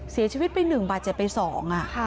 เสียชีวิตไปหนึ่งบาทเจ็บไปสอง